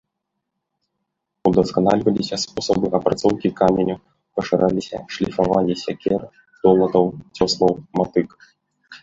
Удасканальваліся спосабы апрацоўкі каменю, пашыраліся шліфаванне сякер, долатаў, цёслаў, матык.